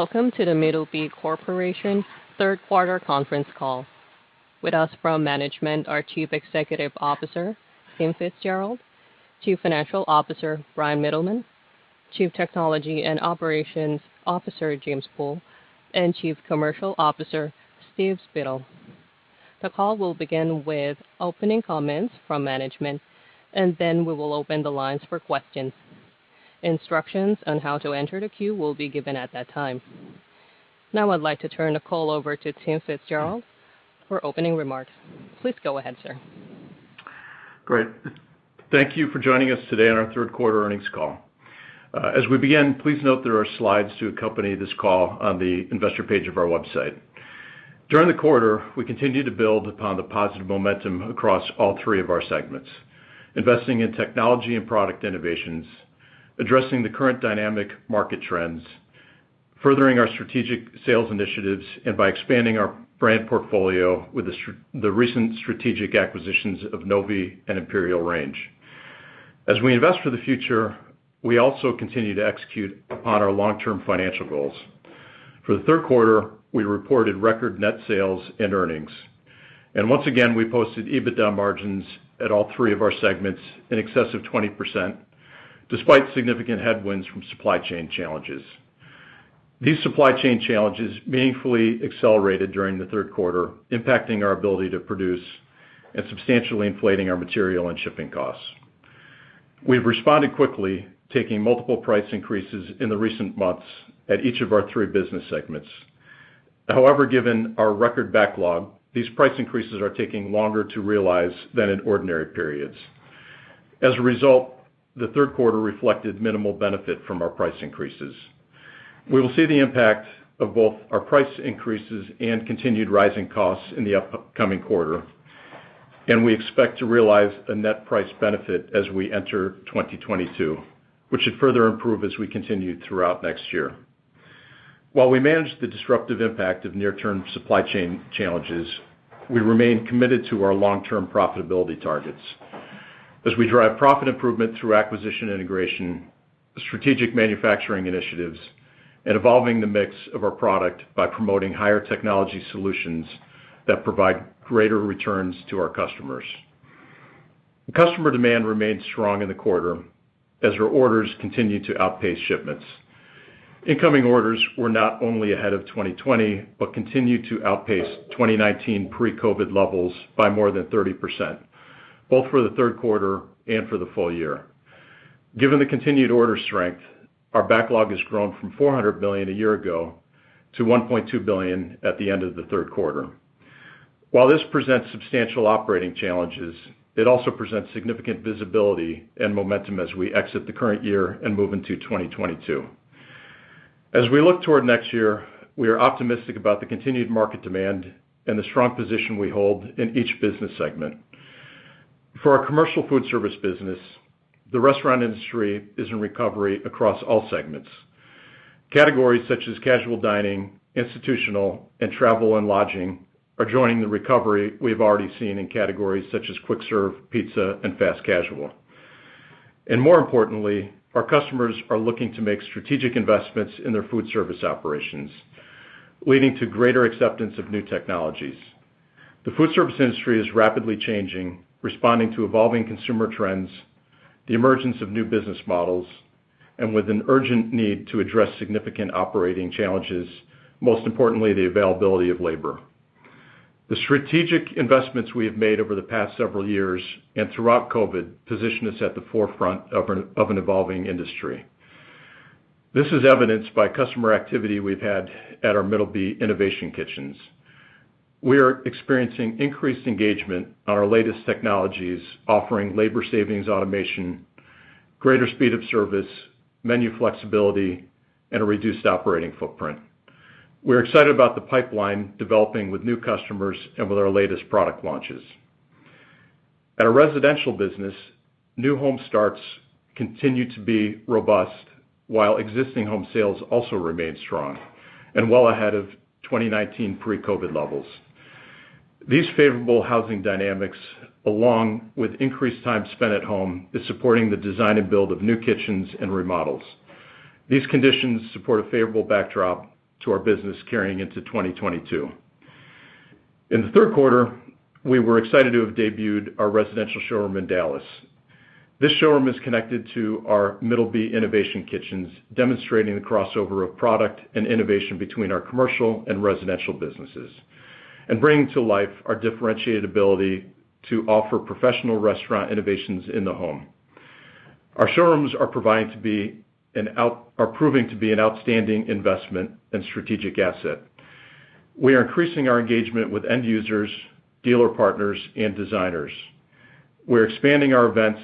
Welcome to the Middleby Corporation third quarter conference call. With us from management are Chief Executive Officer Tim FitzGerald, Chief Financial Officer Bryan Mittelman, Chief Technology and Operations Officer James K. Pool III, and Chief Commercial Officer Steve Spittle. The call will begin with opening comments from management, and then we will open the lines for questions. Instructions on how to enter the queue will be given at that time. Now I'd like to turn the call over to Tim FitzGerald for opening remarks. Please go ahead, sir. Great. Thank you for joining us today on our third quarter earnings call. As we begin, please note there are slides to accompany this call on the investor page of our website. During the quarter, we continued to build upon the positive momentum across all three of our segments, investing in technology and product innovations, addressing the current dynamic market trends, furthering our strategic sales initiatives, and by expanding our brand portfolio with the recent strategic acquisitions of Novy and Imperial Range. As we invest for the future, we also continue to execute upon our long-term financial goals. For the third quarter, we reported record net sales and earnings. Once again, we posted EBITDA margins at all three of our segments in excess of 20% despite significant headwinds from supply chain challenges. These supply chain challenges meaningfully accelerated during the third quarter, impacting our ability to produce and substantially inflating our material and shipping costs. We've responded quickly, taking multiple price increases in the recent months at each of our three business segments. However, given our record backlog, these price increases are taking longer to realize than in ordinary periods. As a result, the third quarter reflected minimal benefit from our price increases. We will see the impact of both our price increases and continued rising costs in the upcoming quarter. We expect to realize a net price benefit as we enter 2022, which should further improve as we continue throughout next year. While we manage the disruptive impact of near-term supply chain challenges, we remain committed to our long-term profitability targets. As we drive profit improvement through acquisition integration, strategic manufacturing initiatives, and evolving the mix of our product by promoting higher technology solutions that provide greater returns to our customers. Customer demand remained strong in the quarter as our orders continued to outpace shipments. Incoming orders were not only ahead of 2020, but continued to outpace 2019 pre-COVID levels by more than 30%, both for the third quarter and for the full-year. Given the continued order strength, our backlog has grown from $400 million a year ago to $1.2 billion at the end of the third quarter. While this presents substantial operating challenges, it also presents significant visibility and momentum as we exit the current year and move into 2022. As we look toward next year, we are optimistic about the continued market demand and the strong position we hold in each business segment. For our commercial food service business, the restaurant industry is in recovery across all segments. Categories such as casual dining, institutional, and travel and lodging are joining the recovery we've already seen in categories such as quick serve, pizza, and fast casual. More importantly, our customers are looking to make strategic investments in their food service operations, leading to greater acceptance of new technologies. The food service industry is rapidly changing, responding to evolving consumer trends, the emergence of new business models, and with an urgent need to address significant operating challenges, most importantly, the availability of labor. The strategic investments we have made over the past several years and throughout COVID position us at the forefront of an evolving industry. This is evidenced by customer activity we've had at our Middleby Innovation Kitchens. We are experiencing increased engagement on our latest technologies, offering labor savings automation, greater speed of service, menu flexibility, and a reduced operating footprint. We're excited about the pipeline developing with new customers and with our latest product launches. At our residential business, new home starts continue to be robust while existing home sales also remain strong and well ahead of 2019 pre-COVID levels. These favorable housing dynamics, along with increased time spent at home, is supporting the design and build of new kitchens and remodels. These conditions support a favorable backdrop to our business carrying into 2022. In the third quarter, we were excited to have debuted our residential showroom in Dallas. This showroom is connected to our Middleby Innovation Kitchens, demonstrating the crossover of product and innovation between our commercial and residential businesses and bringing to life our differentiated ability to offer professional restaurant innovations in the home. Our showrooms are proving to be an outstanding investment and strategic asset. We are increasing our engagement with end users, dealer partners, and designers. We're expanding our events,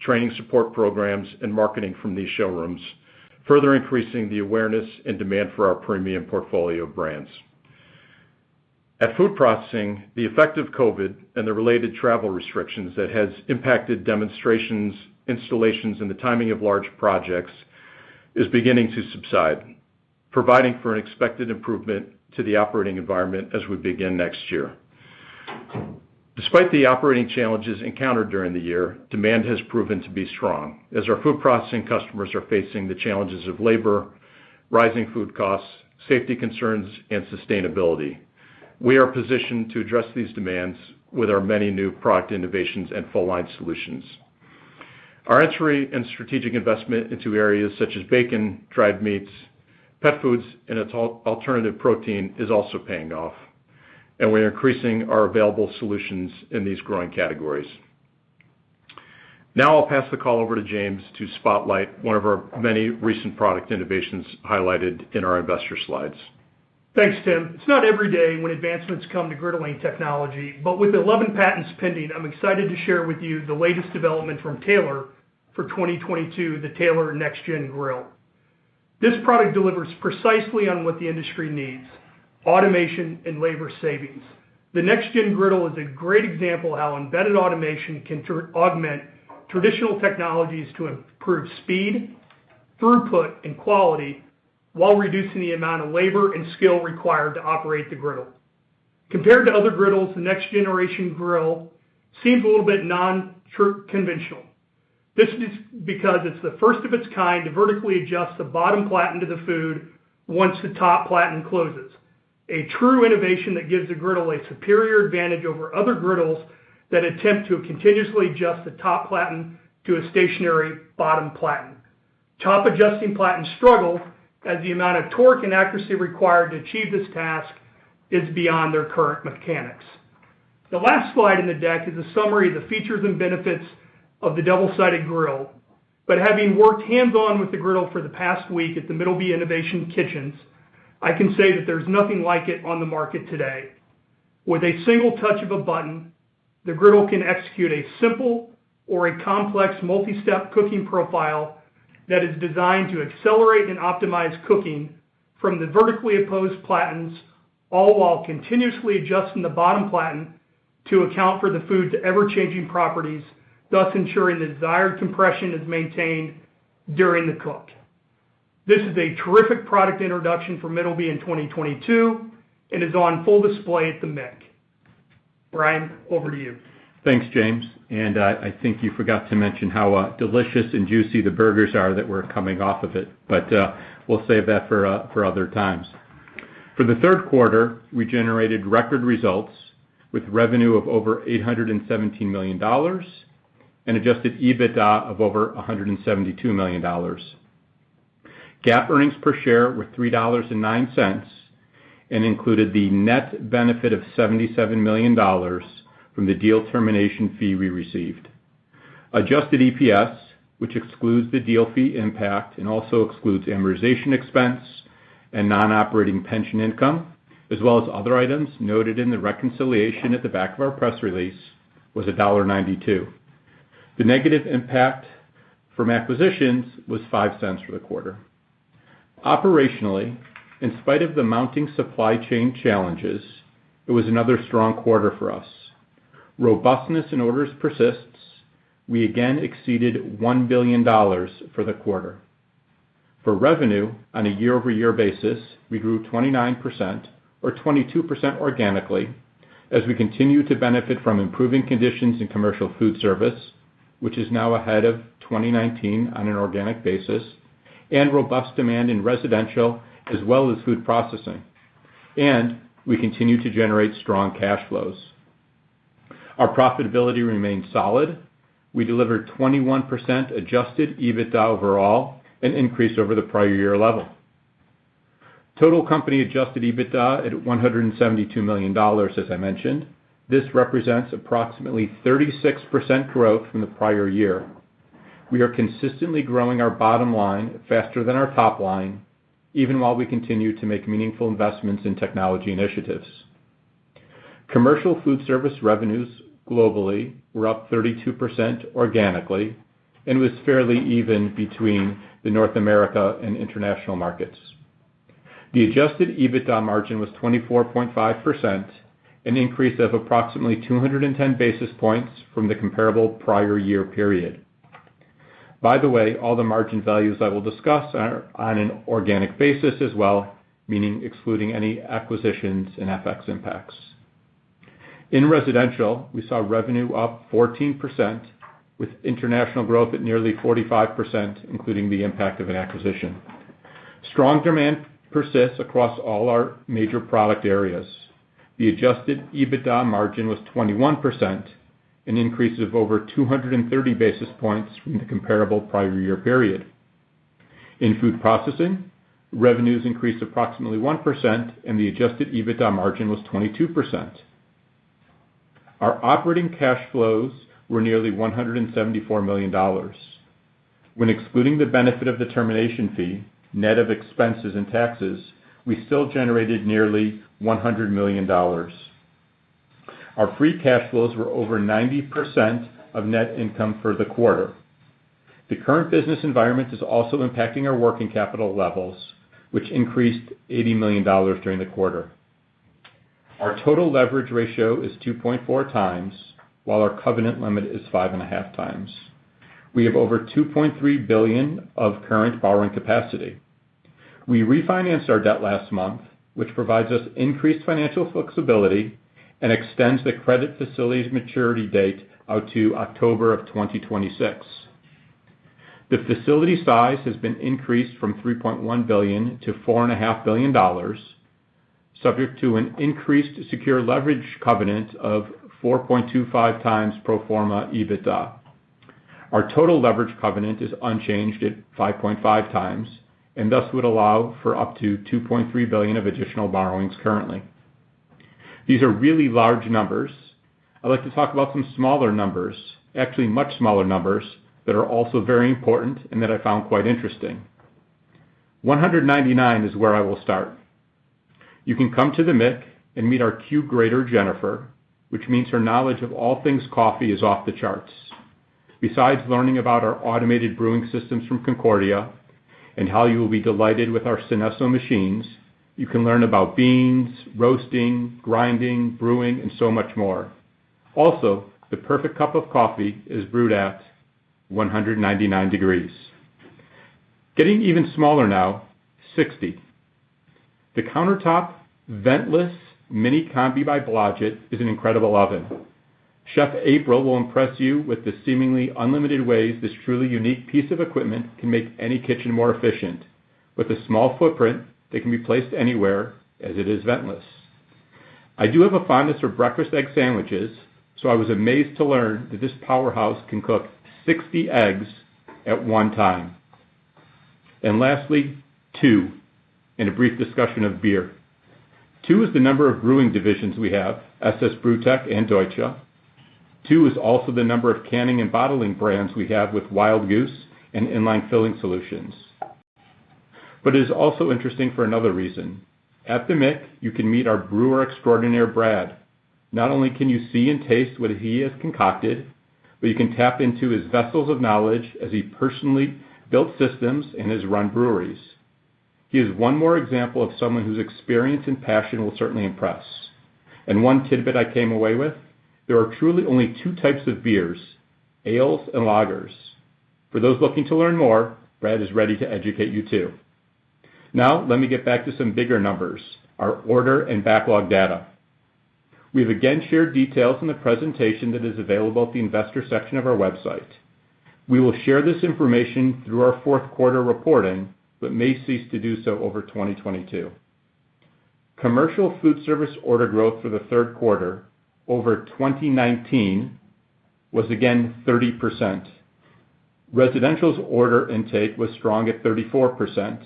training support programs, and marketing from these showrooms, further increasing the awareness and demand for our premium portfolio of brands. At Food Processing, the effect of COVID and the related travel restrictions that has impacted demonstrations, installations, and the timing of large projects is beginning to subside, providing for an expected improvement to the operating environment as we begin next year. Despite the operating challenges encountered during the year, demand has proven to be strong as our food processing customers are facing the challenges of labor, rising food costs, safety concerns, and sustainability. We are positioned to address these demands with our many new product innovations and full line solutions. Our entry and strategic investment into areas such as bacon, dried meats, pet foods, and alternative protein is also paying off, and we're increasing our available solutions in these growing categories. Now I'll pass the call over to James to spotlight one of our many recent product innovations highlighted in our investor slides. Thanks, Tim. It's not every day when advancements come to griddling technology, but with 11 patents pending, I'm excited to share with you the latest development from Taylor for 2022, the Taylor NextGen Grill. This product delivers precisely on what the industry needs, automation and labor savings. The next-gen griddle is a great example of how embedded automation can augment traditional technologies to improve speed, throughput, and quality while reducing the amount of labor and skill required to operate the griddle. Compared to other griddles, the next-generation grill seems a little bit non-traditional. This is because it's the first of its kind to vertically adjust the bottom platen to the food once the top platen closes. A true innovation that gives the griddle a superior advantage over other griddles that attempt to continuously adjust the top platen to a stationary bottom platen. Top-adjusting platens struggle as the amount of torque and accuracy required to achieve this task is beyond their current mechanics. The last slide in the deck is a summary of the features and benefits of the double-sided grill. Having worked hands-on with the griddle for the past week at the Middleby Innovation Kitchens, I can say that there's nothing like it on the market today. With a single touch of a button, the griddle can execute a simple or a complex multi-step cooking profile that is designed to accelerate and optimize cooking from the vertically opposed platens, all while continuously adjusting the bottom platen to account for the food's ever-changing properties, thus ensuring the desired compression is maintained during the cook. This is a terrific product introduction for Middleby in 2022 and is on full display at the MIK. Bryan, over to you. Thanks, James. I think you forgot to mention how delicious and juicy the burgers are that were coming off of it. We'll save that for other times. For the third quarter, we generated record results with revenue of over $817 million and adjusted EBITDA of over $172 million. GAAP earnings per share were $3.09 and included the net benefit of $77 million from the deal termination fee we received. Adjusted EPS, which excludes the deal fee impact and also excludes amortization expense and non-operating pension income, as well as other items noted in the reconciliation at the back of our press release, was $1.92. The negative impact from acquisitions was $0.05 for the quarter. Operationally, in spite of the mounting supply chain challenges, it was another strong quarter for us. Robustness in orders persists. We again exceeded $1 billion for the quarter. For revenue on a year-over-year basis, we grew 29% or 22% organically as we continue to benefit from improving conditions in commercial food service, which is now ahead of 2019 on an organic basis, and robust demand in residential as well as food processing. We continue to generate strong cash flows. Our profitability remained solid. We delivered 21% adjusted EBITDA overall, an increase over the prior year level. Total company adjusted EBITDA at $172 million, as I mentioned. This represents approximately 36% growth from the prior year. We are consistently growing our bottom line faster than our top line, even while we continue to make meaningful investments in technology initiatives. Commercial food service revenues globally were up 32% organically and was fairly even between the North American and international markets. The adjusted EBITDA margin was 24.5%, an increase of approximately 210 basis points from the comparable prior year period. By the way, all the margin values I will discuss are on an organic basis as well, meaning excluding any acquisitions and FX impacts. In residential, we saw revenue up 14%, with international growth at nearly 45%, including the impact of an acquisition. Strong demand persists across all our major product areas. The adjusted EBITDA margin was 21%, an increase of over 230 basis points from the comparable prior year period. In food processing, revenues increased approximately 1%, and the adjusted EBITDA margin was 22%. Our operating cash flows were nearly $174 million. When excluding the benefit of the termination fee, net of expenses and taxes, we still generated nearly $100 million. Our free cash flows were over 90% of net income for the quarter. The current business environment is also impacting our working capital levels, which increased $80 million during the quarter. Our total leverage ratio is 2.4x, while our covenant limit is 5.5x. We have over $2.3 billion of current borrowing capacity. We refinanced our debt last month, which provides us increased financial flexibility and extends the credit facility's maturity date out to October of 2026. The facility size has been increased from $3.1 billion-$4.5 billion, subject to an increased secured leverage covenant of 4.25x pro forma EBITDA. Our total leverage covenant is unchanged at 5.5x and thus would allow for up to $2.3 billion of additional borrowings currently. These are really large numbers. I'd like to talk about some smaller numbers, actually much smaller numbers, that are also very important and that I found quite interesting. 199 is where I will start. You can come to the MIC and meet our Q Grader, Jennifer, which means her knowledge of all things coffee is off the charts. Besides learning about our automated brewing systems from Concordia and how you will be delighted with our Synesso machines, you can learn about beans, roasting, grinding, brewing, and so much more. Also, the perfect cup of coffee is brewed at 199 degrees. Getting even smaller now, 60. The countertop ventless Mini Combi by Blodgett is an incredible oven. Chef April will impress you with the seemingly unlimited ways this truly unique piece of equipment can make any kitchen more efficient. With a small footprint, it can be placed anywhere as it is ventless. I do have a fondness for breakfast egg sandwiches, so I was amazed to learn that this powerhouse can cook 60 eggs at one time. Lastly, two, in a brief discussion of beer. Two is the number of brewing divisions we have, SS Brewtech and Deutsche. Two is also the number of canning and bottling brands we have with Wild Goose and Inline Filling Systems. It is also interesting for another reason. At the MIC, you can meet our brewer extraordinaire, Brad. Not only can you see and taste what he has concocted, but you can tap into his vessels of knowledge as he personally built systems and has run breweries. He is one more example of someone whose experience and passion will certainly impress. One tidbit I came away with, there are truly only two types of beers, ales and lagers. For those looking to learn more, Brad is ready to educate you too. Now, let me get back to some bigger numbers, our order and backlog data. We've again shared details in the presentation that is available at the investor section of our website. We will share this information through our fourth quarter reporting, but may cease to do so over 2022. Commercial food service order growth for the third quarter over 2019 was again 30%. Residential's order intake was strong at 34%,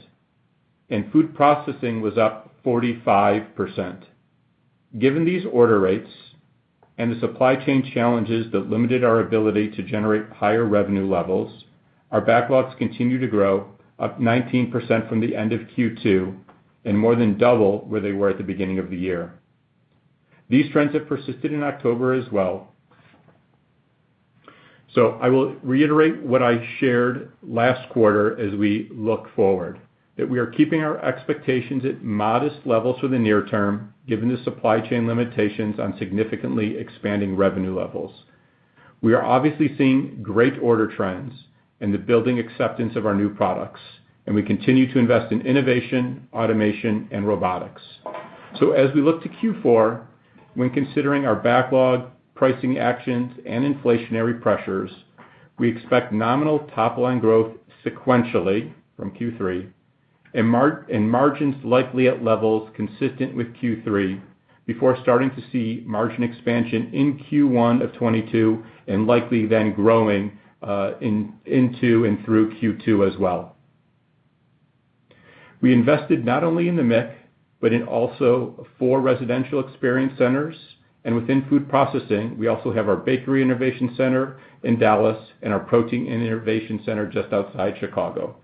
and food processing was up 45%. Given these order rates and the supply chain challenges that limited our ability to generate higher revenue levels, our backlogs continue to grow, up 19% from the end of Q2 and more than double where they were at the beginning of the year. These trends have persisted in October as well. I will reiterate what I shared last quarter as we look forward, that we are keeping our expectations at modest levels for the near term, given the supply chain limitations on significantly expanding revenue levels. We are obviously seeing great order trends and the building acceptance of our new products, and we continue to invest in innovation, automation, and robotics. As we look to Q4, when considering our backlog, pricing actions, and inflationary pressures, we expect nominal top-line growth sequentially from Q3 and margins likely at levels consistent with Q3 before starting to see margin expansion in Q1 of 2022, and likely then growing into and through Q2 as well. We invested not only in the MIC, but also in four residential experience centers, and within food processing, we also have our Bakery Innovation Center in Dallas and our Protein Innovation Center just outside Chicago.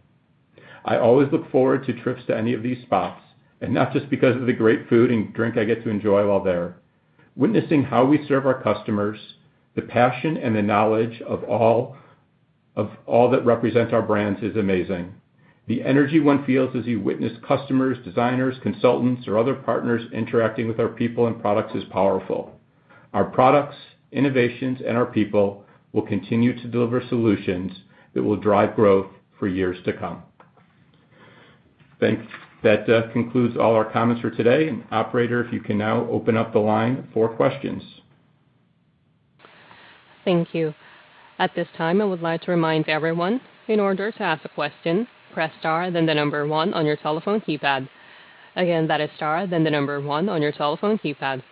I always look forward to trips to any of these spots, and not just because of the great food and drink I get to enjoy while there. Witnessing how we serve our customers, the passion and the knowledge of all that represent our brands is amazing. The energy one feels as you witness customers, designers, consultants, or other partners interacting with our people and products is powerful. Our products, innovations, and our people will continue to deliver solutions that will drive growth for years to come. Thanks. That concludes all our comments for today. Operator, if you can now open up the line for questions. Thank you. At this time, I would like to remind everyone, in order to ask a question, press star then the number one on your telephone keypad. Again, that is star then the number one on your telephone keypad.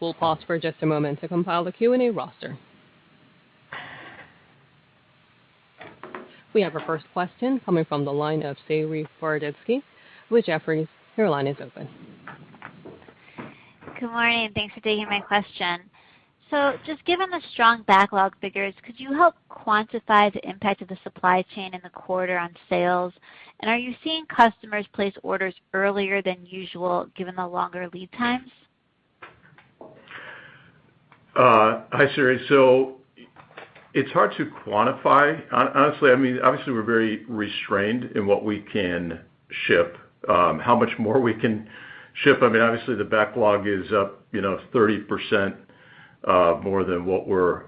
We'll pause for just a moment to compile the Q&A roster. We have our first question coming from the line of Saree Boroditsky with Jefferies. Your line is open. Good morning. Thanks for taking my question. Just given the strong backlog figures, could you help quantify the impact of the supply chain in the quarter on sales? Are you seeing customers place orders earlier than usual, given the longer lead times? Hi, Saree. It's hard to quantify, honestly. I mean, obviously, we're very restrained in what we can ship, how much more we can ship. I mean, obviously, the backlog is up, you know, 30%, more than what we're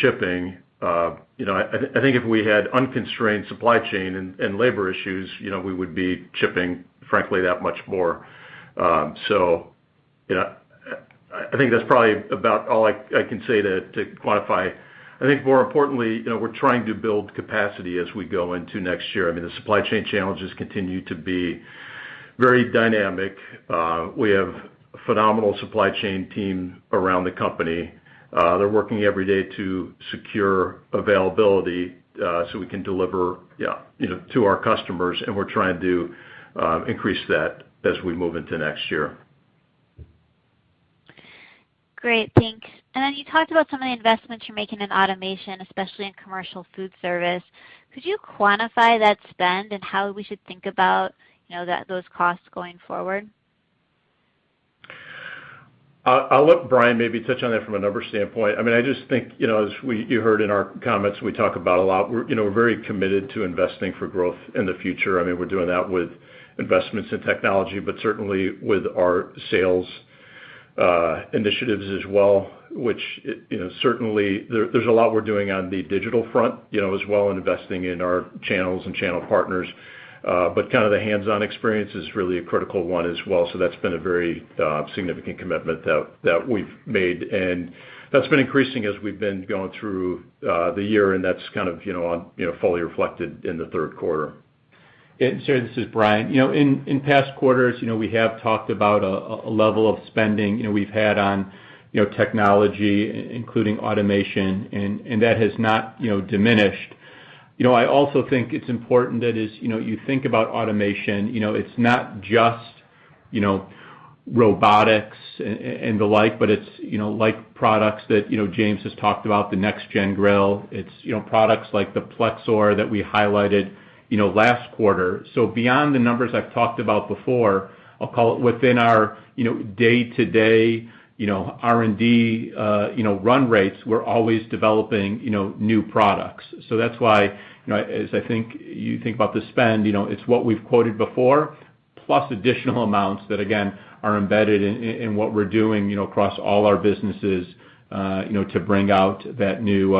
shipping. You know, I think if we had unconstrained supply chain and labor issues, you know, we would be shipping, frankly, that much more. You know, I think that's probably about all I can say to quantify. I think more importantly, you know, we're trying to build capacity as we go into next year. I mean, the supply chain challenges continue to be very dynamic. We have a phenomenal supply chain team around the company. They're working every day to secure availability, so we can deliver, yeah, you know, to our customers, and we're trying to increase that as we move into next year. Great. Thanks. You talked about some of the investments you're making in automation, especially in commercial food service. Could you quantify that spend and how we should think about, you know, that, those costs going forward? I'll let Bryan maybe touch on that from a numbers standpoint. I mean, I just think, you know, you heard in our comments, we talk about a lot. You know, we're very committed to investing for growth in the future. I mean, we're doing that with investments in technology, but certainly with our sales initiatives as well, which, you know, certainly there's a lot we're doing on the digital front, you know, as well, and investing in our channels and channel partners. But kind of the hands-on experience is really a critical one as well. So that's been a very significant commitment that we've made, and that's been increasing as we've been going through the year, and that's kind of, you know, fully reflected in the third quarter. Saree, this is Bryan. You know, in past quarters, you know, we have talked about a level of spending, you know, we've had on, you know, technology, including automation, and that has not, you know, diminished. You know, I also think it's important that as, you know, you think about automation, you know, it's not just you know, robotics and the like, but it's, you know, like products that, you know, James has talked about the NextGen grill. It's, you know, products like the PLEXOR that we highlighted, you know, last quarter. Beyond the numbers I've talked about before, I'll call it within our, you know, day-to-day, you know, R&D, you know, run rates, we're always developing, you know, new products. That's why, you know, as I think you think about the spend, you know, it's what we've quoted before, plus additional amounts that, again, are embedded in what we're doing, you know, across all our businesses, you know, to bring out that new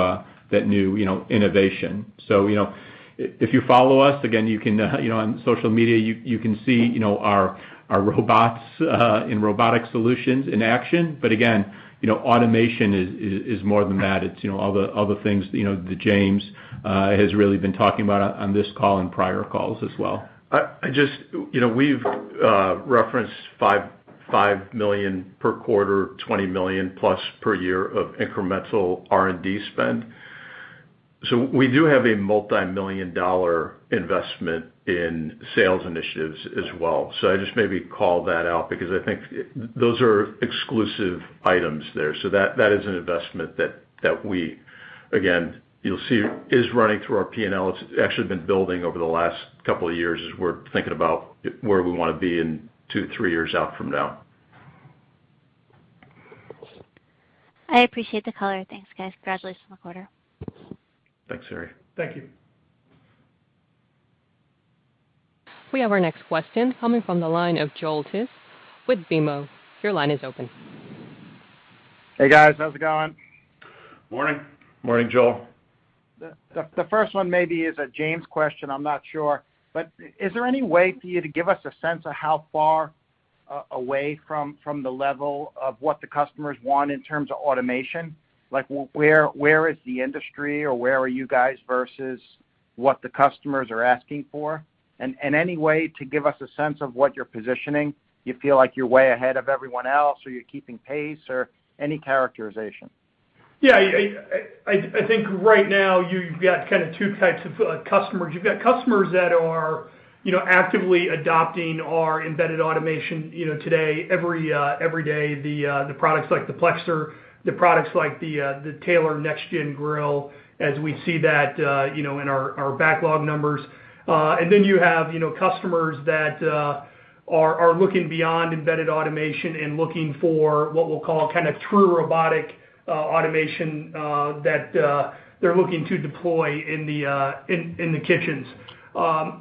innovation. You know, if you follow us, again, you can, you know, on social media, you can see, you know, our robots and robotic solutions in action. Again, you know, automation is more than that. It's, you know, all the things, you know, that James has really been talking about on this call and prior calls as well. I just, you know, we've referenced $5 million per quarter, $20 million plus per year of incremental R&D spend. We do have a multimillion-dollar investment in sales initiatives as well. I just maybe call that out because I think those are exclusive items there. That is an investment that we, again, you'll see is running through our P&L. It's actually been building over the last couple of years as we're thinking about where we wanna be in two, three years out from now. I appreciate the color. Thanks, guys. Congratulations on the quarter. Thanks, Saree. Thank you. We have our next question coming from the line of Joel Tiss with BMO. Your line is open. Hey, guys. How's it going? Morning. Morning, Joel. The first one maybe is a James question, I'm not sure. Is there any way for you to give us a sense of how far away from the level of what the customers want in terms of automation? Like where is the industry, or where are you guys versus what the customers are asking for? And any way to give us a sense of what you're positioning, you feel like you're way ahead of everyone else, or you're keeping pace or any characterization. Yeah. I think right now you've got kind of two types of customers. You've got customers that are, you know, actively adopting our embedded automation, you know, today, every day, the products like the PLEXOR, the products like the Taylor NextGen Grill, as we see that, you know, in our backlog numbers. And then you have, you know, customers that are looking beyond embedded automation and looking for what we'll call kind of true robotic automation that they're looking to deploy in the kitchens.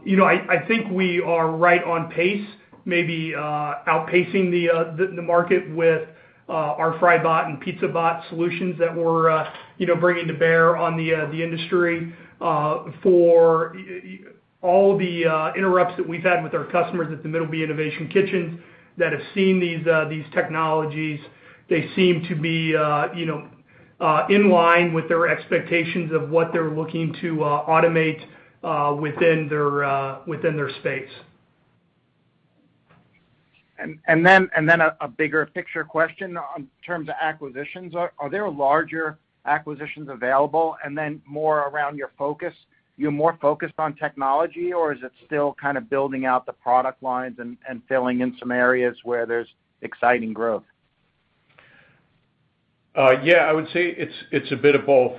You know, I think we are right on pace, maybe outpacing the market with our FryBot and PizzaBot solutions that we're, you know, bringing to bear on the industry. For all the interactions that we've had with our customers at the Middleby Innovation Kitchens that have seen these technologies, they seem to be, you know, in line with their expectations of what they're looking to automate within their space. A bigger picture question in terms of acquisitions. Are there larger acquisitions available? More around your focus, you're more focused on technology, or is it still kind of building out the product lines and filling in some areas where there's exciting growth? Yeah. I would say it's a bit of both.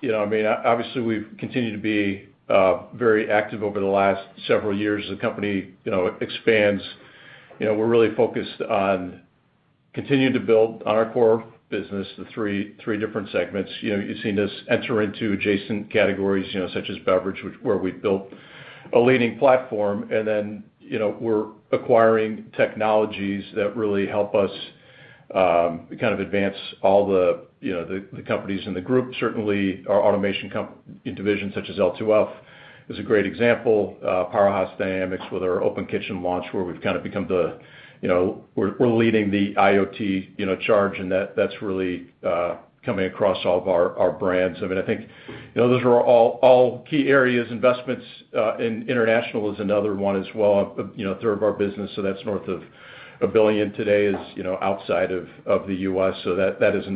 You know, I mean, obviously, we've continued to be very active over the last several years. The company, you know, expands. You know, we're really focused on continuing to build on our core business, the three different segments. You know, you've seen us enter into adjacent categories, you know, such as beverage, where we've built a leading platform. You know, we're acquiring technologies that really help us kind of advance all the, you know, the companies in the group. Certainly, our automation division such as L2F is a great example. Powerhouse Dynamics with our Open Kitchen launch, where we've kind of become the, you know, we're leading the IoT charge, and that's really coming across all of our brands. I mean, I think, you know, those are all key areas. Investments in international is another one as well, you know, a third of our business, so that's north of $1 billion today, you know, outside of the U.S. In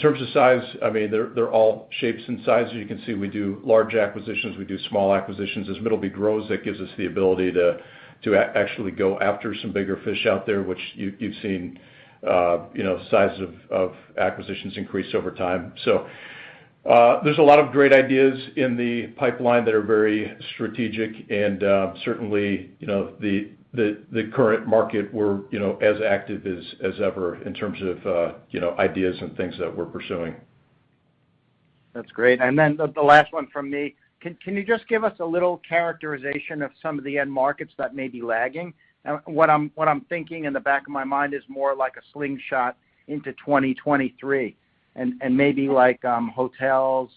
terms of size, I mean, they're all shapes and sizes. You can see we do large acquisitions, we do small acquisitions. As Middleby grows, that gives us the ability to actually go after some bigger fish out there, which you've seen, you know, sizes of acquisitions increase over time. There's a lot of great ideas in the pipeline that are very strategic, and certainly you know the current market we're you know as active as ever in terms of you know ideas and things that we're pursuing. That's great. The last one from me. Can you just give us a little characterization of some of the end markets that may be lagging? What I'm thinking in the back of my mind is more like a slingshot into 2023, and maybe like, hotels,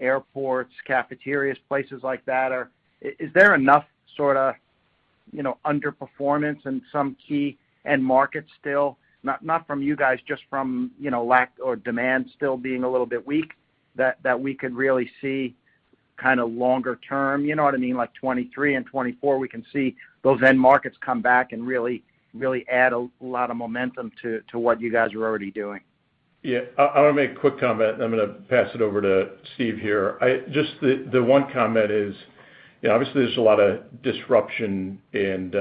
airports, cafeterias, places like that. Is there enough sorta, you know, underperformance in some key end markets still? Not from you guys, just from, you know, lack of demand still being a little bit weak that we could really see kinda longer term, you know what I mean, like 2023 and 2024, we can see those end markets come back and really add a lot of momentum to what you guys are already doing? Yeah. I wanna make a quick comment, and I'm gonna pass it over to Steve here. Just the one comment is, you know, obviously, there's a lot of disruption and,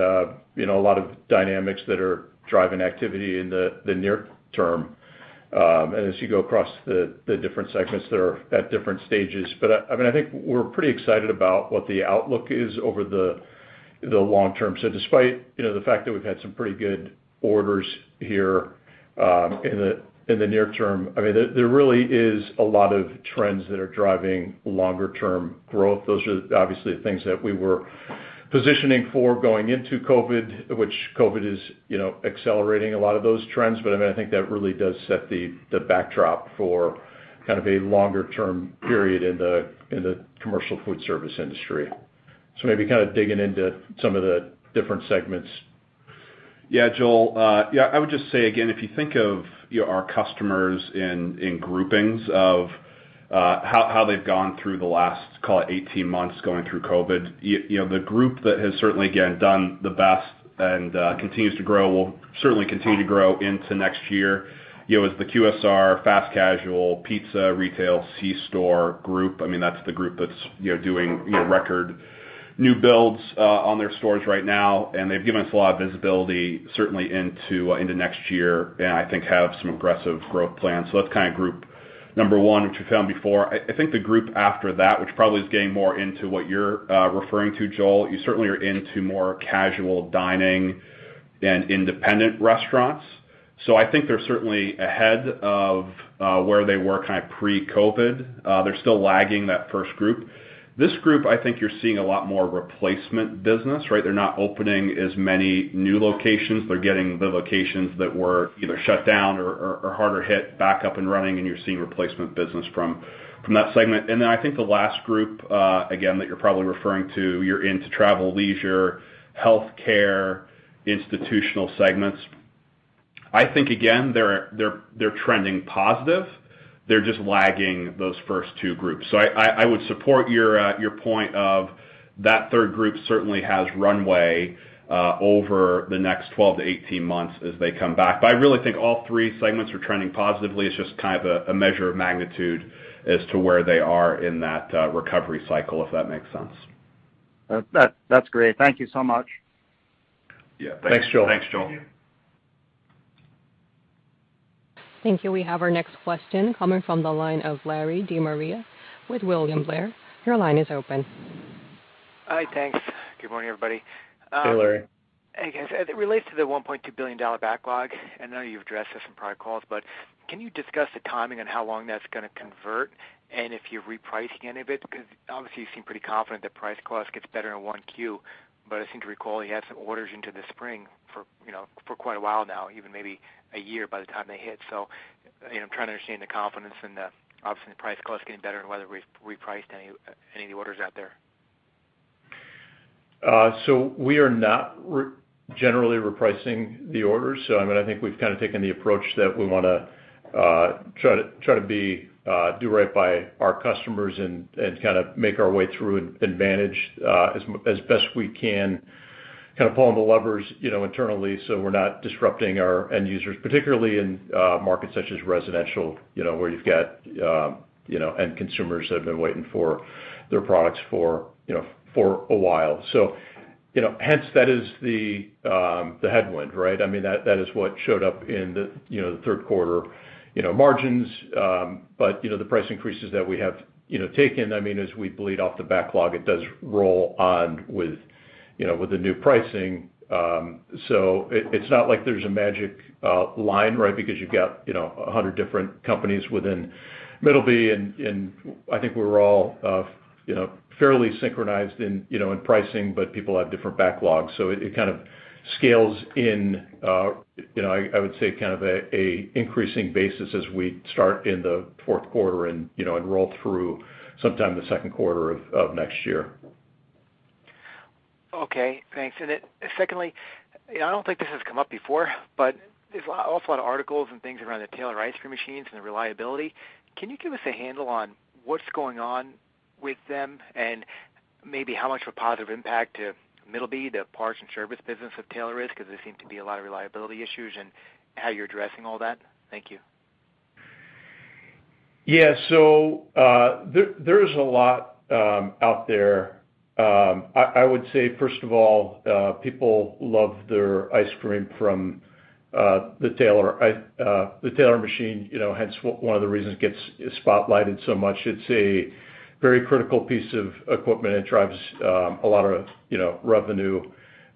you know, a lot of dynamics that are driving activity in the near term, and as you go across the different segments that are at different stages. I mean, I think we're pretty excited about what the outlook is over the long term. Despite, you know, the fact that we've had some pretty good orders here, in the near term, I mean, there really is a lot of trends that are driving longer term growth. Those are obviously the things that we were positioning for going into COVID, which COVID is, you know, accelerating a lot of those trends. I mean, I think that really does set the backdrop for kind of a longer term period in the commercial foodservice industry. Maybe kind of digging into some of the different segments. Yeah, Joel. Yeah, I would just say again, if you think of, you know, our customers in groupings of how they've gone through the last, call it, 18 months going through COVID, you know, the group that has certainly, again, done the best and continues to grow will certainly continue to grow into next year, you know, is the QSR, fast casual, pizza, retail, C-store group. I mean, that's the group that's, you know, doing, you know, record new builds on their stores right now, and they've given us a lot of visibility certainly into next year and I think have some aggressive growth plans. That's kind of group number one, which we've done before. I think the group after that, which probably is getting more into what you're referring to, Joel. You certainly are into more casual dining and independent restaurants. I think they're certainly ahead of where they were kind of pre-COVID. They're still lagging that first group. This group, I think you're seeing a lot more replacement business, right? They're not opening as many new locations. They're getting the locations that were either shut down or harder hit back up and running, and you're seeing replacement business from that segment. I think the last group, again, that you're probably referring to, you're into travel, leisure, healthcare, institutional segments. I think again they're trending positive. They're just lagging those first two groups. I would support your point of that third group certainly has runway over the next 12-18 months as they come back. I really think all three segments are trending positively. It's just kind of a measure of magnitude as to where they are in that recovery cycle, if that makes sense. That, that's great. Thank you so much. Yeah. Thanks, Joel. Thanks, Joel. Thank you. Thank you. We have our next question coming from the line of Larry De Maria with William Blair. Your line is open. Hi. Thanks. Good morning, everybody. Hey, Larry. Hey, guys. As it relates to the $1.2 billion backlog, I know you've addressed this in prior calls, but can you discuss the timing on how long that's gonna convert and if you're repricing any of it? Because obviously, you seem pretty confident that price cost gets better in 1Q. But I seem to recall you had some orders into the spring for, you know, for quite a while now, even maybe a year by the time they hit. So, you know, I'm trying to understand the confidence and, obviously, the price cost getting better and whether we've repriced any of the orders out there. We are not generally repricing the orders. I mean, I think we've kind of taken the approach that we wanna try to be do right by our customers and kind of make our way through and manage as best we can, kind of pulling the levers, you know, internally so we're not disrupting our end users, particularly in markets such as residential, you know, where you've got end consumers that have been waiting for their products for a while. Hence, that is the headwind, right? I mean, that is what showed up in the third quarter margins. you know, the price increases that we have, you know, taken, I mean, as we bleed off the backlog, it does roll on with, you know, with the new pricing. It's not like there's a magic line, right? Because you've got, you know, 100 different companies within Middleby. I think we're all, you know, fairly synchronized in, you know, in pricing, but people have different backlogs. It kind of scales in, you know, I would say kind of a increasing basis as we start in the fourth quarter and, you know, and roll through sometime in the second quarter of next year. Okay. Thanks. Secondly, you know, I don't think this has come up before, but there's an awful lot of articles and things around the Taylor ice cream machines and the reliability. Can you give us a handle on what's going on with them and maybe how much of a positive impact to Middleby, the parts and service business of Taylor is? 'Cause there seem to be a lot of reliability issues, and how you're addressing all that. Thank you. Yeah. There is a lot out there. I would say, first of all, people love their ice cream from the Taylor machine, you know, hence one of the reasons it gets spotlighted so much. It's a very critical piece of equipment. It drives a lot of, you know, revenue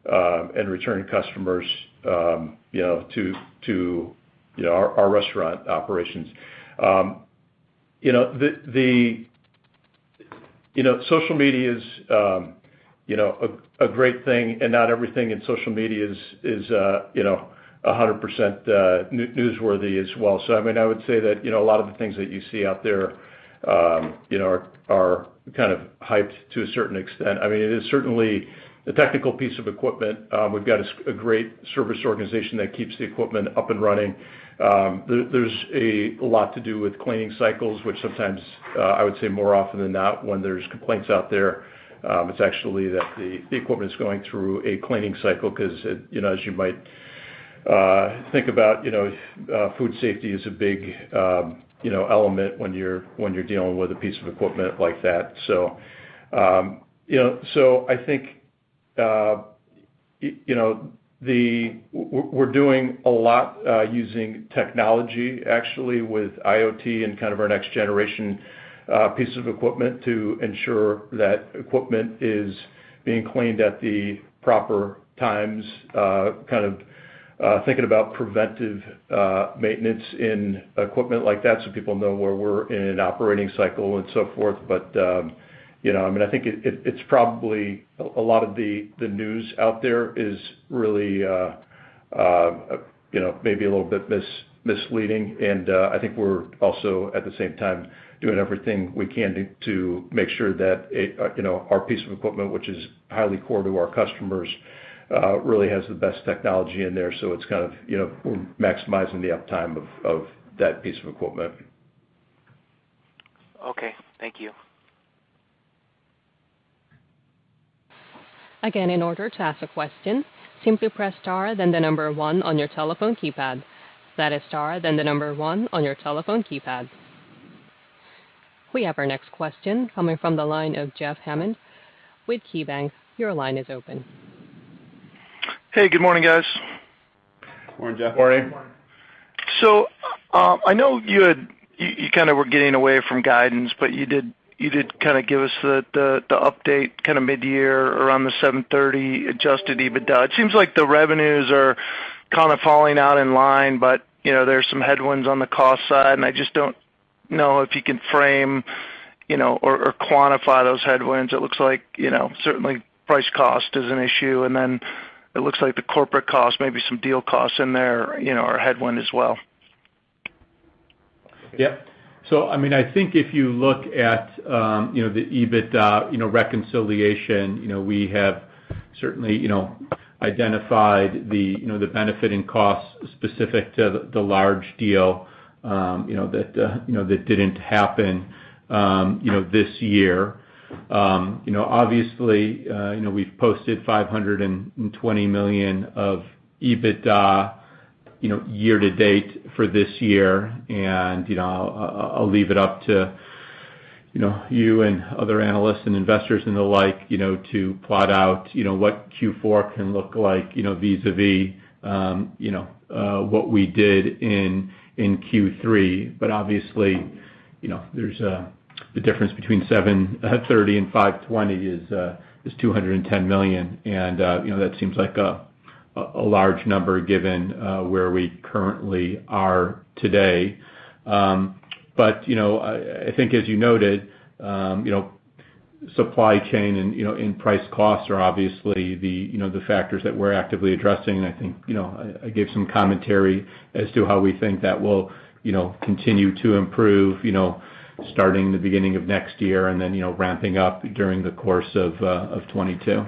and returning customers, you know, to our restaurant operations. You know, social media is, you know, a great thing, and not everything in social media is, you know, 100% newsworthy as well. I mean, I would say that, you know, a lot of the things that you see out there, you know, are kind of hyped to a certain extent. I mean, it is certainly a technical piece of equipment. We've got a great service organization that keeps the equipment up and running. There's a lot to do with cleaning cycles, which sometimes I would say more often than not, when there's complaints out there, it's actually that the equipment's going through a cleaning cycle 'cause it, you know, as you might Think about, you know, food safety is a big, you know, element when you're dealing with a piece of equipment like that. I think you know we're doing a lot using technology actually with IoT and kind of our next generation pieces of equipment to ensure that equipment is being cleaned at the proper times kind of thinking about preventive maintenance in equipment like that, so people know where we're in an operating cycle and so forth. You know, I mean, I think it's probably a lot of the news out there is really you know, maybe a little bit misleading. I think we're also, at the same time, doing everything we can do to make sure that it, you know, our piece of equipment, which is highly core to our customers, really has the best technology in there, so it's kind of, you know, maximizing the uptime of that piece of equipment. Okay, thank you. Again, in order to ask a question, simply press star then the number one on your telephone keypad. That is star then the number one on your telephone keypad. We have our next question coming from the line of Jeff Hammond with KeyBanc. Your line is open. Hey, good morning, guys. Morning, Jeff. Morning. Morning. I know you kinda were getting away from guidance, but you did kinda give us the update kinda mid-year around the 730 adjusted EBITDA. It seems like the revenues are kinda falling in line, but you know, there's some headwinds on the cost side, and I just don't know if you can frame you know, or quantify those headwinds. It looks like you know, certainly price cost is an issue, and then it looks like the corporate costs, maybe some deal costs in there you know, are a headwind as well. Yeah. I mean, I think if you look at, you know, the EBITDA, you know, reconciliation, you know, we have certainly, you know, identified the, you know, the benefit and cost specific to the large deal, you know, that, you know, that didn't happen, you know, this year. You know, obviously, you know, we've posted $520 million of EBITDA, you know, year-to-date for this year. I'll leave it up to, you know, you and other analysts and investors and the like, you know, to plot out, you know, what Q4 can look like, you know, vis-a-vis, you know, what we did in Q3. Obviously, you know, there's the difference between $730 million and $520 million is $210 million. You know, that seems like a large number given where we currently are today. You know, I think as you noted, you know, supply chain and, you know, in price costs are obviously the, you know, the factors that we're actively addressing. I think, you know, I gave some commentary as to how we think that will, you know, continue to improve, you know, starting the beginning of next year and then, you know, ramping up during the course of 2022.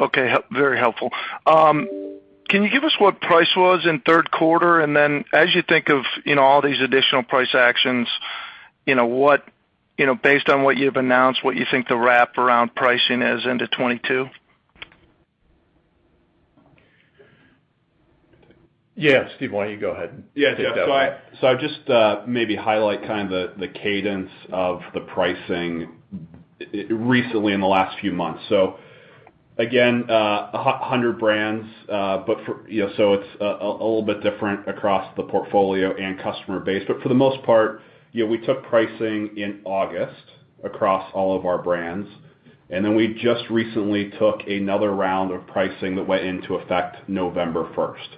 Okay. Very helpful. Can you give us what pricing was in third quarter? Then as you think of, you know, all these additional pricing actions, you know, what you know, based on what you've announced, what you think the wraparound pricing is into 2022? Yeah. Steve, why don't you go ahead? I'll just maybe highlight kind of the cadence of the pricing recently in the last few months. Again, 100 brands, but you know, it's a little bit different across the portfolio and customer base. For the most part, you know, we took pricing in August across all of our brands, and then we just recently took another round of pricing that went into effect November first.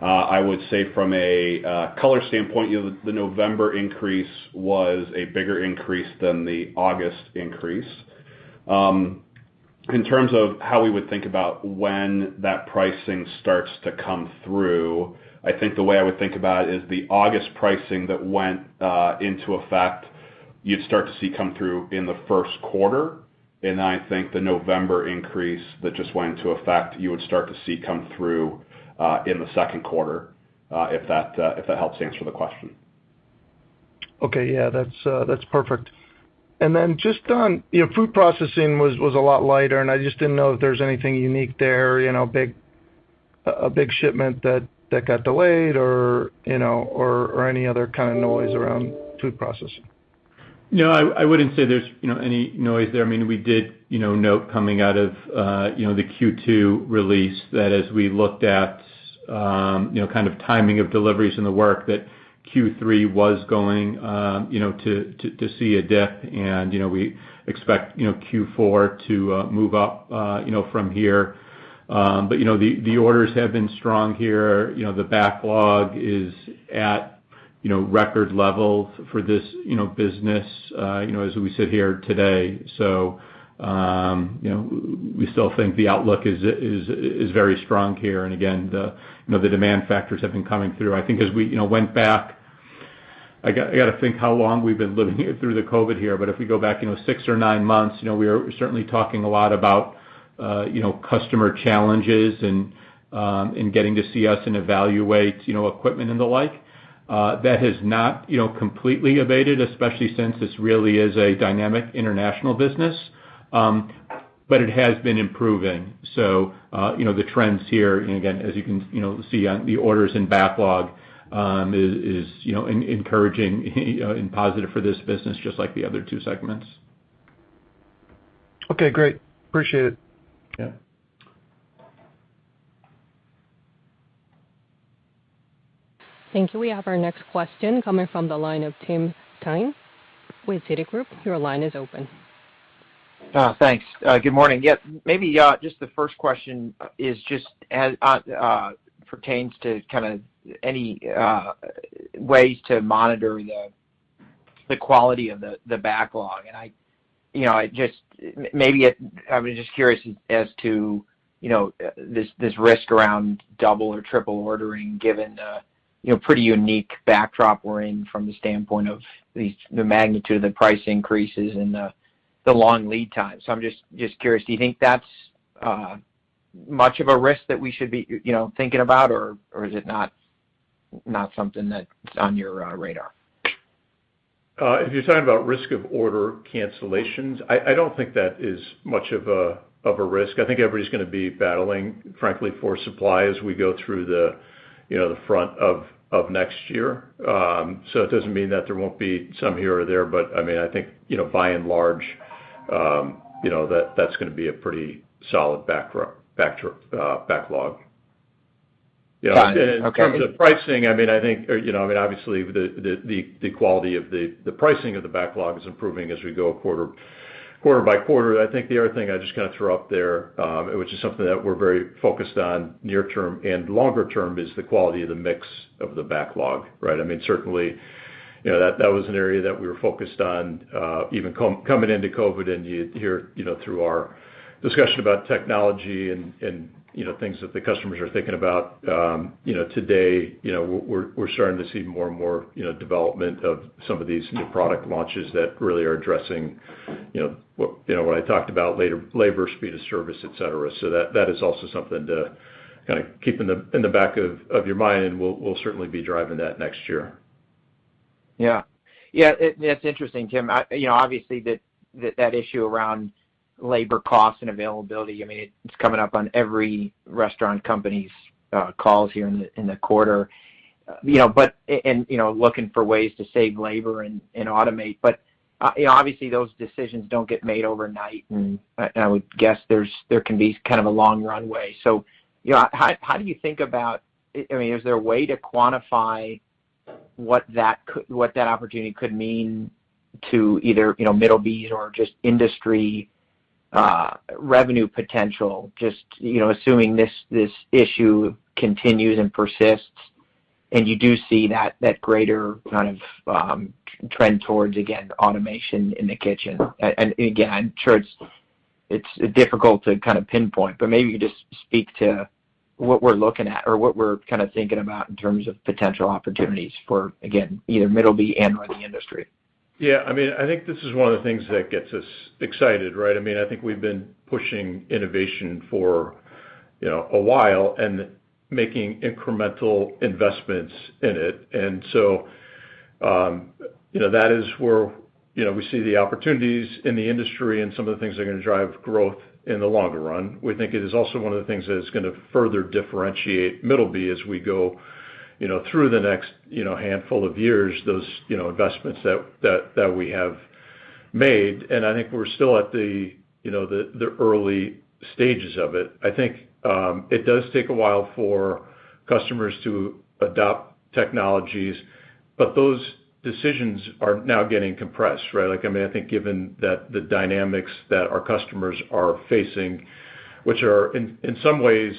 I would say from a color standpoint, you know, the November increase was a bigger increase than the August increase. In terms of how we would think about when that pricing starts to come through, I think the way I would think about it is the August pricing that went into effect, you'd start to see come through in the first quarter. I think the November increase that just went into effect, you would start to see come through in the second quarter, if that helps answer the question. Okay. Yeah. That's perfect. Then just on, you know, food processing was a lot lighter, and I just didn't know if there's anything unique there, you know, a big shipment that got delayed or, you know, or any other kind of noise around food processing. No, I wouldn't say there's you know any noise there. I mean, we did you know note coming out of you know the Q2 release that as we looked at you know kind of timing of deliveries and the work that Q3 was going you know to see a dip. We expect you know Q4 to move up you know from here. But you know the orders have been strong here. You know the backlog is at you know record levels for this you know business you know as we sit here today. We still think the outlook is very strong here. Again you know the demand factors have been coming through. I think as we you know went back. I gotta think how long we've been living here through the COVID here. If we go back, you know, six or nine months, you know, we are certainly talking a lot about, you know, customer challenges and in getting to see us and evaluate, you know, equipment and the like. That has not, you know, completely abated, especially since this really is a dynamic international business. It has been improving. You know, the trends here, and again, as you can, you know, see on the orders in backlog, is, you know, encouraging and positive for this business, just like the other two segments. Okay, great. Appreciate it. Yeah. Thank you. We have our next question coming from the line of Tim Thein with Citigroup. Your line is open. Thanks. Good morning. Yes, maybe just the first question is just as it pertains to kind of any ways to monitor the quality of the backlog. I was just curious as to, you know, this risk around double or triple ordering given the, you know, pretty unique backdrop we're in from the standpoint of the magnitude of the price increases and the long lead time. So I'm just curious, do you think that's much of a risk that we should be, you know, thinking about, or is it not something that's on your radar? If you're talking about risk of order cancellations, I don't think that is much of a risk. I think everybody's gonna be battling, frankly, for supply as we go through the, you know, the front of next year. It doesn't mean that there won't be some here or there. I mean, I think, you know, by and large, you know, that's gonna be a pretty solid backlog. Got it. Okay. In terms of pricing, I mean, I think, you know, I mean, obviously, the quality of the pricing of the backlog is improving as we go quarter by quarter. I think the other thing I just kind of throw up there, which is something that we're very focused on near term and longer term, is the quality of the mix of the backlog, right? I mean, certainly, you know, that was an area that we were focused on, even coming into COVID. You hear, you know, through our discussion about technology and things that the customers are thinking about, you know, today, you know, we're starting to see more and more, you know, development of some of these new product launches that really are addressing, you know, what, you know, what I talked about, labor, speed of service, et cetera. That is also something to kind of keep in the back of your mind, and we'll certainly be driving that next year. Yeah. Yeah, that's interesting, Tim. You know, obviously that issue around labor costs and availability, I mean, it's coming up on every restaurant company's calls here in the quarter. You know, looking for ways to save labor and automate. You know, obviously those decisions don't get made overnight, and I would guess there can be kind of a long runway. You know, how do you think about it? I mean, is there a way to quantify what that opportunity could mean to either, you know, Middleby or just industry revenue potential, just, you know, assuming this issue continues and persists, and you do see that greater kind of trend towards, again, automation in the kitchen? I'm sure it's difficult to kind of pinpoint, but maybe you just speak to what we're looking at or what we're kind of thinking about in terms of potential opportunities for, again, either Middleby and/or the industry. Yeah. I mean, I think this is one of the things that gets us excited, right? I mean, I think we've been pushing innovation for, you know, a while and making incremental investments in it. You know, that is where, you know, we see the opportunities in the industry and some of the things that are gonna drive growth in the longer run. We think it is also one of the things that is gonna further differentiate Middleby as we go, you know, through the next, you know, handful of years, those, you know, investments that we have made. I think we're still at the, you know, early stages of it. I think it does take a while for customers to adopt technologies, but those decisions are now getting compressed, right? Like, I mean, I think given that the dynamics that our customers are facing, which are in some ways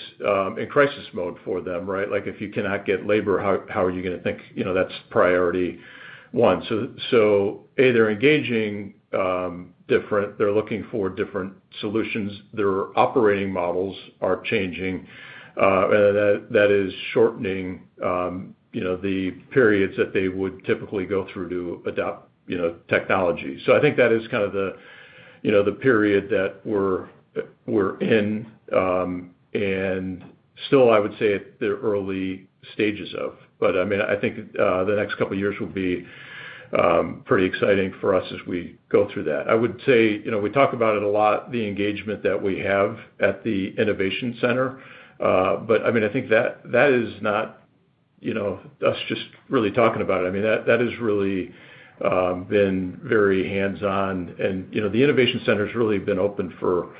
in crisis mode for them, right? Like, if you cannot get labor, how are you gonna think? You know, that's priority one. A, they're engaging different, they're looking for different solutions, their operating models are changing, and that is shortening you know, the periods that they would typically go through to adopt you know, technology. I think that is kind of the you know, the period that we're in, and still I would say at the early stages of. I mean, I think the next couple of years will be pretty exciting for us as we go through that. I would say, you know, we talk about it a lot, the engagement that we have at the innovation center. I mean, I think that is not, you know, us just really talking about it. I mean, that has really been very hands-on. You know, the innovation center's really been open for,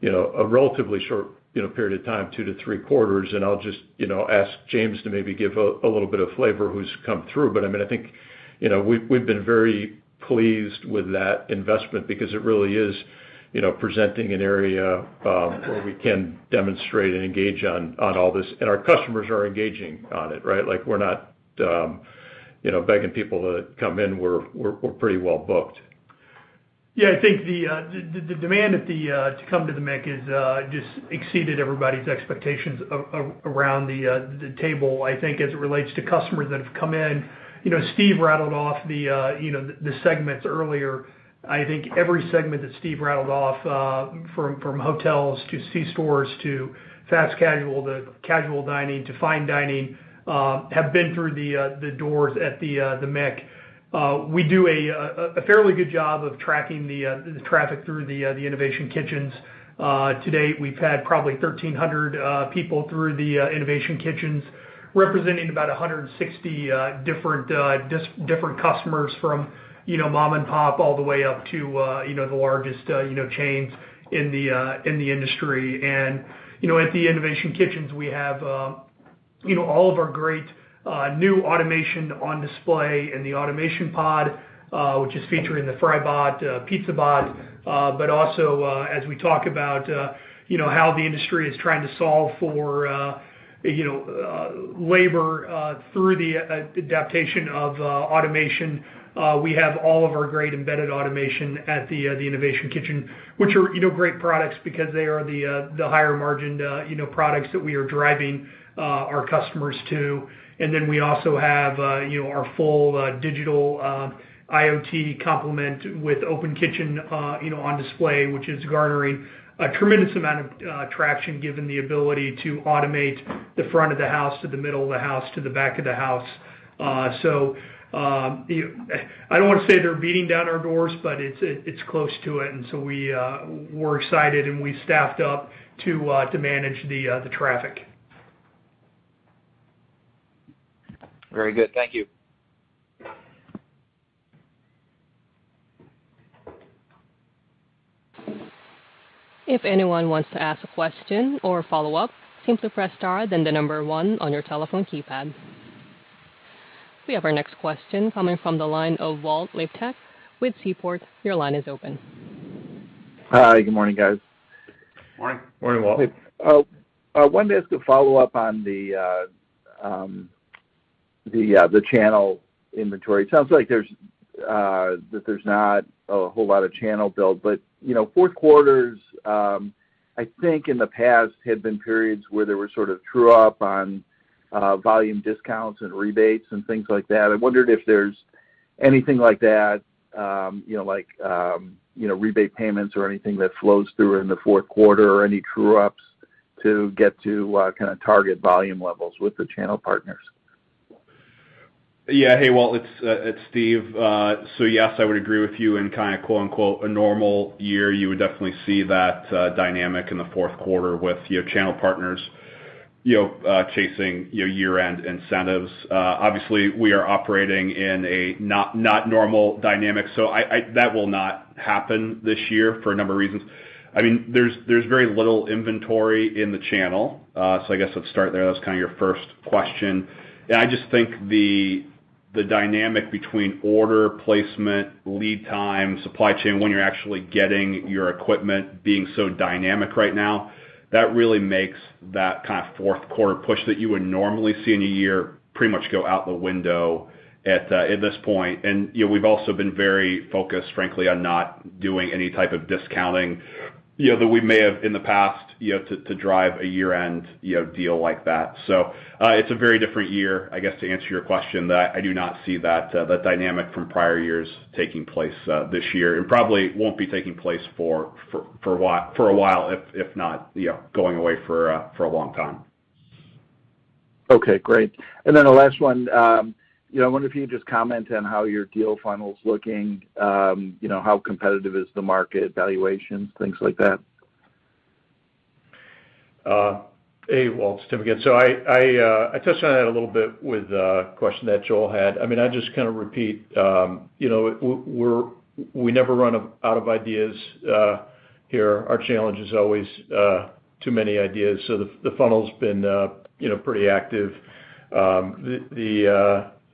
you know, a relatively short, you know, period of time, two to three quarters. I'll just, you know, ask James to maybe give a little bit of flavor who's come through. I mean, I think, you know, we've been very pleased with that investment because it really is, you know, presenting an area where we can demonstrate and engage on all this, and our customers are engaging on it, right? Like, we're not, you know, begging people to come in we're pretty well booked. Yeah. I think the demand to come to the MIC has just exceeded everybody's expectations around the table. I think as it relates to customers that have come in, you know, Steve rattled off the segments earlier. I think every segment that Steve rattled off, from hotels to C-stores to fast casual to casual dining to fine dining, have been through the doors at the MIC. We do a fairly good job of tracking the traffic through the Innovation Kitchens. To date, we've had probably 1,300 people through the Innovation Kitchens. Representing about 160 different customers from, you know, mom and pop all the way up to, you know, the largest, you know, chains in the industry. At the Innovation Kitchens, we have, you know, all of our great new automation on display in the automation pod, which is featuring the FryBot, PizzaBot, but also, as we talk about, you know, how the industry is trying to solve for, you know, labor through the adaptation of automation. We have all of our great embedded automation at the Innovation Kitchen, which are, you know, great products because they are the higher margined, you know, products that we are driving our customers to. We also have, you know, our full digital IoT complement with Open Kitchen, you know, on display, which is garnering a tremendous amount of traction given the ability to automate the front of the house to the middle of the house to the back of the house. I don't want to say they're beating down our doors, but it's close to it. We're excited and we staffed up to manage the traffic. Very good. Thank you. If anyone wants to ask a question or follow up, simply press star then one on your telephone keypad. We have our next question coming from the line of Walt Liptak with Seaport. Your line is open. Hi. Good morning, guys. Morning. Morning, Walt. I wanted to ask a follow-up on the channel inventory. It sounds like there's not a whole lot of channel build. You know, fourth quarters I think in the past had been periods where there were sort of true up on volume discounts and rebates and things like that. I wondered if there's anything like that, you know, like, you know, rebate payments or anything that flows through in the fourth quarter or any true ups to get to kind of target volume levels with the channel partners. Yeah. Hey, Walt, it's Steve. So yes, I would agree with you in kind of quote-unquote "a normal year," you would definitely see that dynamic in the fourth quarter with your channel partners, you know, chasing your year-end incentives. Obviously, we are operating in a not normal dynamic, so that will not happen this year for a number of reasons. I mean, there's very little inventory in the channel, so I guess let's start there. That's kind of your first question. I just think the dynamic between order placement, lead time, supply chain, when you're actually getting your equipment being so dynamic right now, that really makes that kind of fourth quarter push that you would normally see in a year pretty much go out the window at this point. You know, we've also been very focused, frankly, on not doing any type of discounting, you know, that we may have in the past, you know, to drive a year-end, you know, deal like that. It's a very different year, I guess, to answer your question, that I do not see that dynamic from prior years taking place this year and probably won't be taking place for a while, if not, you know, going away for a long time. Okay, great. Then the last one, you know, I wonder if you just comment on how your deal funnel is looking, you know, how competitive is the market valuations, things like that. Hey, Walt, it's Tim again. I touched on that a little bit with question that Joel had. I mean, I just kind of repeat, you know, we never run out of ideas here. Our challenge is always too many ideas. The funnel's been, you know, pretty active.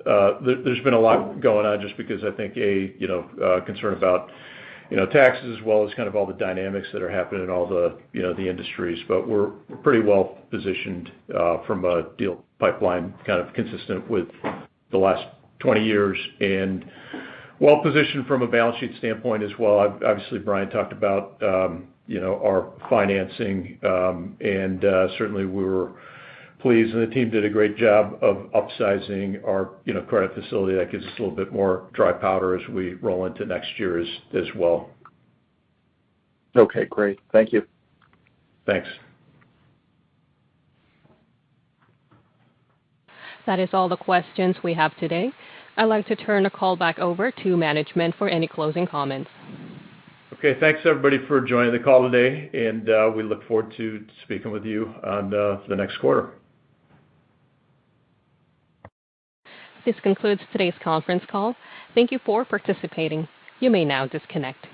There's been a lot going on just because I think, a, you know, concern about, you know, taxes as well as kind of all the dynamics that are happening in all the, you know, the industries. We're pretty well positioned from a deal pipeline, kind of consistent with the last 20 years and well-positioned from a balance sheet standpoint as well. Obviously, Bryan talked about, you know, our financing, and certainly we were pleased, and the team did a great job of upsizing our, you know, credit facility that gives us a little bit more dry powder as we roll into next year as well. Okay, great. Thank you. Thanks. That is all the questions we have today. I'd like to turn the call back over to management for any closing comments. Okay. Thanks, everybody, for joining the call today, and we look forward to speaking with you on the next quarter. This concludes today's conference call. Thank you for participating. You may now disconnect.